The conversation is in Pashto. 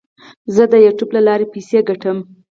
زه د یوټیوب له لارې پیسې ګټم.